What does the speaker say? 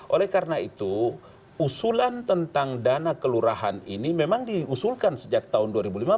oleh karena itu usulan tentang dana kelurahan ini memang diusulkan sejak tahun dua ribu lima belas